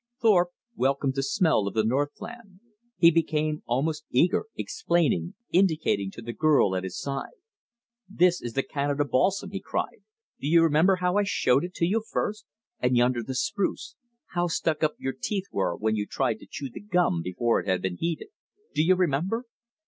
Thorpe welcomed the smell of the northland. He became almost eager, explaining, indicating to the girl at his side. "There is the Canada balsam," he cried. "Do you remember how I showed it to you first? And yonder the spruce. How stuck up your teeth were when you tried to chew the gum before it had been heated. Do you remember?